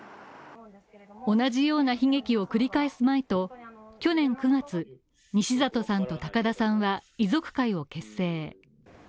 同じような悲劇を繰り返さないと去年９月、西里さんと高田さんは遺族会を結成。